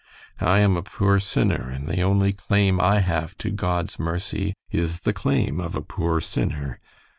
I am a poor sinner, and the only claim I have to God's mercy is the claim of a poor sinner.